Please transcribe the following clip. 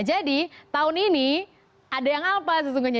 jadi tahun ini ada yang alpa sesungguhnya